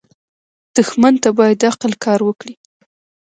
دښمن ته باید عقل کار وکړې